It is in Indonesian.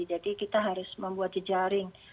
jadi kita harus membuat jejaring